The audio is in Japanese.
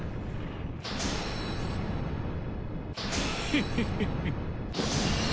フフフフ。